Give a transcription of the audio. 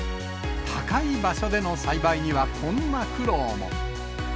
高い場所での栽培には、こんな苦労も。